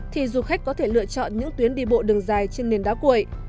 thì du khách có thể lựa chọn những tuyến đi bộ đường dài trên nền đá cuội